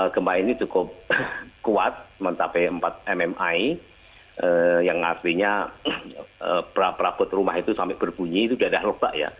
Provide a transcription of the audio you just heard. gempa ini cukup kuat mantapnya empat mmi yang artinya perakot rumah itu sampai berbunyi itu darah rupak ya